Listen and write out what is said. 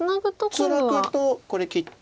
ツナぐとこれ切って。